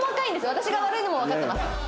私が悪いのもわかってます。